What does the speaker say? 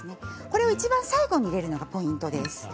これをいちばん最後に入れるのがポイントです。